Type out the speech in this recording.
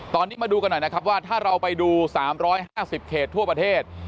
ตอนนี้มาดูกันหน่อยนะครับว่าถ้าเราไปดู๓๕๐เขตทั่วประเทศ